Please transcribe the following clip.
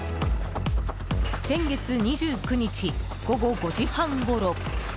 先月２９日、午後５時半ごろ。